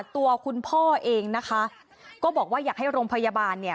ตัวคุณพ่อเองนะคะก็บอกว่าอยากให้โรงพยาบาลเนี่ย